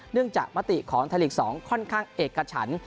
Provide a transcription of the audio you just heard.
เนื่องจากมติของไทยลีกส์๒ค่อนข้างเอกกระฉัน